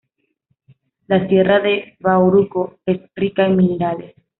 La sierra de Bahoruco es rica en minerales.